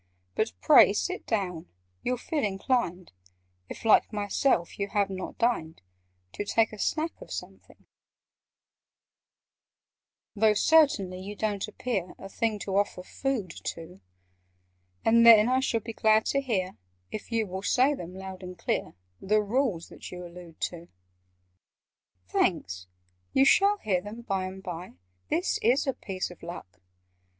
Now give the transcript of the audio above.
But pray sit down: you'll feel inclined (If, like myself, you have not dined) To take a snack of something: "Though, certainly, you don't appear A thing to offer food to! And then I shall be glad to hear— If you will say them loud and clear— The Rules that you allude to." "Thanks! You shall hear them by and by. This is a piece of luck!"